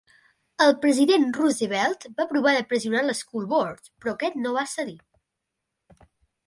El president Roosevelt va provar de pressionar l'School Board, però aquest no va cedir.